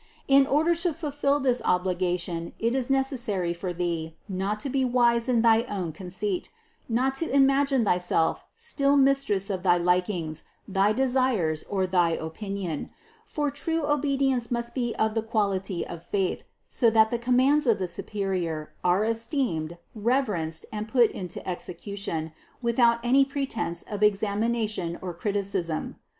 In order to fulfill this obligation it is necessary for thee not to be wise in thy own conceit, not to imagine thyself still mistress of thy likings, thy desires, or thy opinion; for true obedience must be of the quality of faith, so that the commands of the superior are esteemed, reverenced and put into execution, without any pretense of examina tion or criticism.